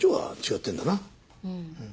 うん。